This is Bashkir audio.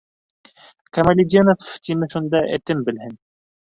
Камалетдинов тиме шунда, этем белһен!